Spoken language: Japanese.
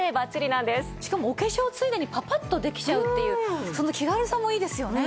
しかもお化粧ついでにパパッとできちゃうっていうその気軽さもいいですよね。